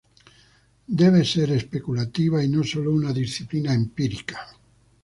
Debe ser especulativa y no sólo una disciplina empírica".